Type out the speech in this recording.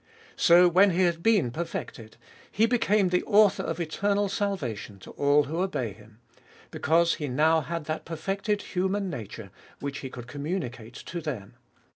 So, when He had been perfected, He became the author of eternal salvation to all who obey Him, because He now had that perfected human nature which He could communicate to them.